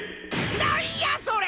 何やそれ！！